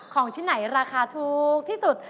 ของที่ไหนราคาทุกอย่าง